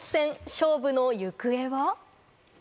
勝負の行方は？